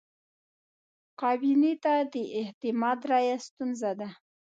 کابینې ته د اعتماد رایه ستونزه ده.